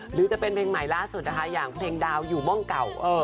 หรือจะเป็นเพลงใหม่ล่าสุดนะคะอย่างเพลงดาวอยู่ม่องเก่า